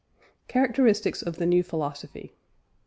CHARACTERISTICS OF THE NEW PHILOSOPHY.